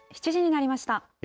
７時になりました。